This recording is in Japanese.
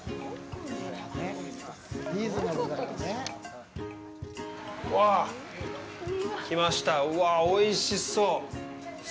うわ、おいしそう！